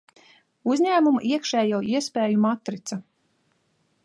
Uzņēmuma iekšējo iespēju matrica.